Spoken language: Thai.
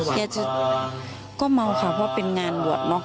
แกจะก็เมาค่ะเพราะเป็นงานบวชเนอะ